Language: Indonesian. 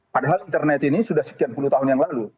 padahal internet ini sudah sekian puluh tahun yang lalu